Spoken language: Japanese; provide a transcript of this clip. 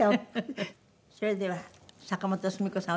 それでは坂本スミ子さん